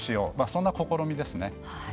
そんな試みですね。